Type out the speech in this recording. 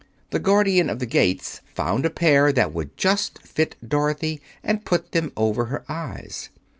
The Guardian of the Gates found a pair that would just fit Dorothy and put them over her eyes.